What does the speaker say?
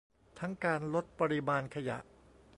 ทั้งการลดปริมาณขยะ